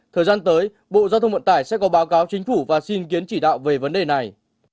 thế bộ giao thông vận tài sẽ có báo cáo chính phủ và xin kiến chỉ đạo về vấn đề này